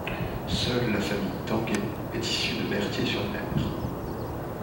Seule la famille Tanguay est issue de Berthier-sur-Mer.